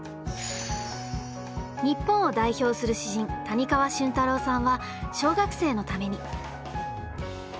日本を代表する詩人谷川俊太郎さんは小学生のために。